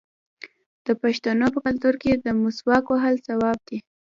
د پښتنو په کلتور کې د مسواک وهل ثواب دی.